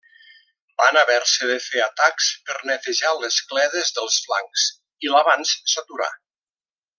Van haver-se de fer atacs per netejar les cledes dels flancs i l'avanç s'aturà.